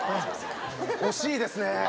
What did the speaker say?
惜しいですね。